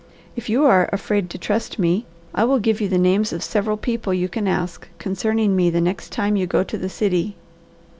If you are afraid to trust me, I will give you the names of several people you can ask concerning me the next time you go to the city."